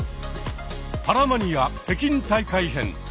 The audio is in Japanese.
「パラマニア北京大会編」。